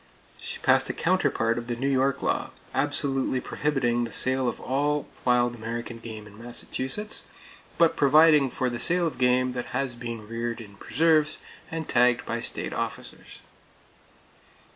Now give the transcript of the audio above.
She passed a counterpart of the New York law, absolutely prohibiting the sale of all wild American game in Massachusetts, but providing for the sale of game that has been reared in preserves and tagged by state officers.